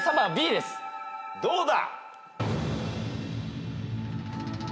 どうだ！